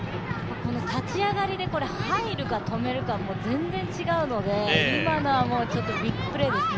この立ち上がりで入るか止めるかも全然違うので今のはビッグプレーですね。